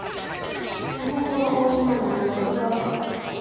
日本語の音韻は何が違うか